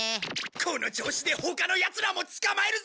この調子で他のやつらも捕まえるぞ！